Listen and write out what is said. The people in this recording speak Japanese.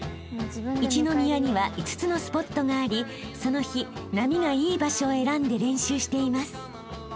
［一宮には５つのスポットがありその日波がいい場所を選んで練習しています］